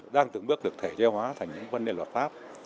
đang từng bước được thể chế hóa thành những vấn đề luật pháp